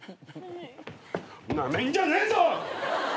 なめんじゃねえぞ！